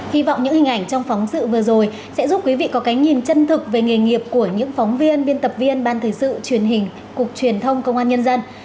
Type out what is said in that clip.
hy vọng những hình ảnh trong phóng sự vừa rồi sẽ giúp quý vị có cái nhìn chân thực về nghề nghiệp của những phóng viên biên tập viên ban thời sự truyền hình cục truyền thông công an nhân dân